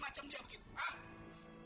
mau kamu itu harap apa sih